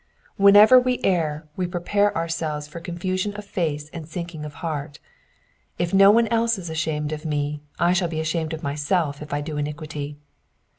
Whenever we err we prepare ourselves for confusion of face and sinking of heart : if no one else is ashamed of me 1 shall be ashamed of myself if I do iniquity.